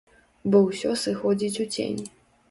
Бо ўсё сыходзіць у цень.